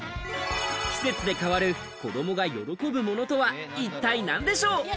季節で変わる、子どもが喜ぶものとは一体何でしょう。